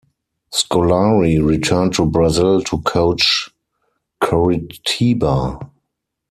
Scolari returned to Brazil to coach Coritiba.